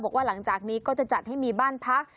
หลังจากนี้ก็จะจัดให้มีบ้านพัก